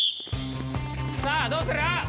さあどうする？